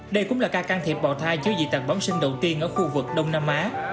đây cũng là ca can thiệp bào thai chứa dị tạc bóng sinh đầu tiên ở khu vực đông nam á